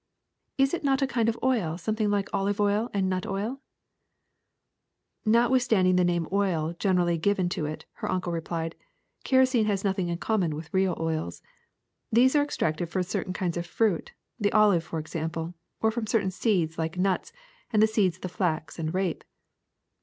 ''Is it a kind of oil something like olive oil and nut oil ?"'' Notwithstanding the name of oil generally given to it/' her uncle replied, "kerosene has nothing in common with real oils. These are extracted from certain kinds of fruit, the olive for example, or from certain seeds like nuts and the seeds of flax and rape.